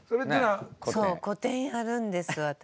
そう個展やるんです私。